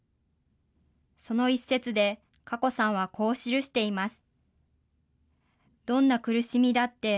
その一節で、かこさんはこう記しています。